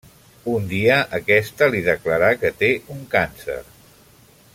Un dia, aquesta li declara que té un càncer.